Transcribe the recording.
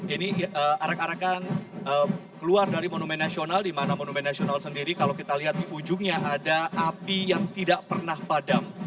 ini arak arakan keluar dari monumen nasional di mana monumen nasional sendiri kalau kita lihat di ujungnya ada api yang tidak pernah padam